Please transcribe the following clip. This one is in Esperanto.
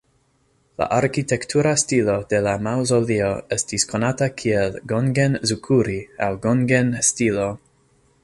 La arkitektura stilo de la maŭzoleo estis konata kiel "gongen-zukuri" aŭ "gongen"-stilo.